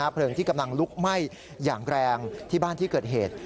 เพลิงที่กำลังลุกไหม้อย่างแรงที่บ้านที่เกิดเหตุ